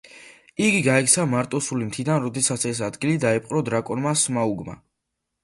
იგი გაიქცა მარტოსული მთიდან, როდესაც ეს ადგილი დაიპყრო დრაკონმა სმაუგმა.